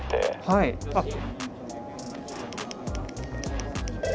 はいあっ。